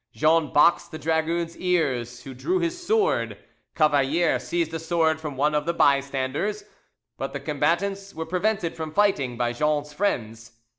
Jean boxed the dragoon's ears, who drew his sword. Cavalier seized a sword from one of the bystanders, but the combatants were prevented from fighting by Jean's friends.